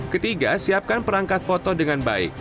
ketiga siapkan perangkat foto dengan baik